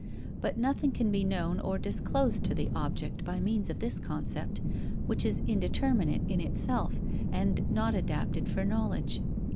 But nothing can be known or disclosed to the object by means of this concept, which is indeterminate in itself and not adapted for knowledge.